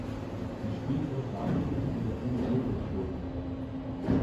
Sie spielte unter anderem in der "Andy Griffith Show".